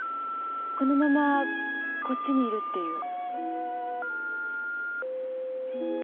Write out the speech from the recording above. このままこっちにいるっていう。